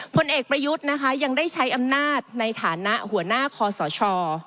ผลเอกประยุทธ์นะคะยังได้ใช้อำนาจในฐานะหัวหน้าคอสช